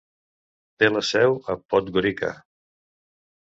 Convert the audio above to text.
Té la seu a Podgorica.